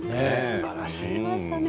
すばらしい。